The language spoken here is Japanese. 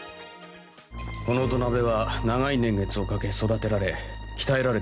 この土鍋は長い年月をかけ育てられ鍛えられてきたんです。